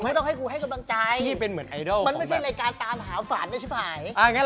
มันจะไม่เป็นเละการตามหาฝัน